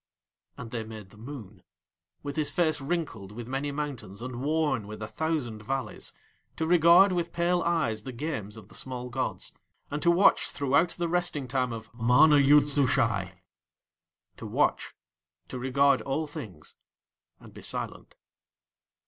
And They made the Moon, with his face wrinkled with many mountains and worn with a thousand valleys, to regard with pale eyes the games of the small gods, and to watch throughout the resting time of MANA YOOD SUSHAI; to watch, to regard all things, and be silent.